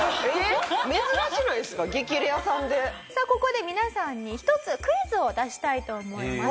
さあここで皆さんに１つクイズを出したいと思います。